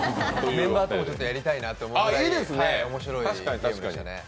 メンバーともやりたいと思ったぐらいおもしろいゲームでしたね。